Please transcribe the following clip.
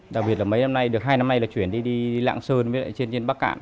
đặc biệt là mấy năm nay được hai năm nay là chuyển đi đi lạng sơn với lại trên bắc cạn